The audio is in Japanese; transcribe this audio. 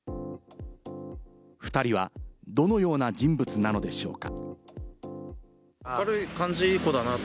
２人はどのような人物なのでしょうか？